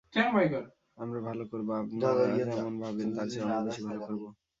আমরা ভালো করব, আপনারা যেমন ভাবেন তার চেয়েও অনেক বেশি ভালো করব।